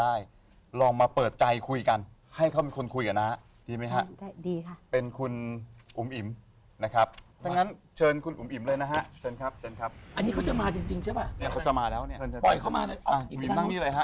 อันนี้เค้าจะมาจริงใช่มั้ย